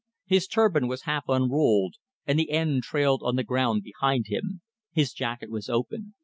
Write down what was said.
His turban was half unrolled, and the end trailed on the ground behind him. His jacket was open.